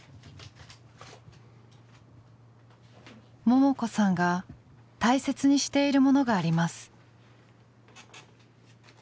ももこさんが大切にしているものがあります。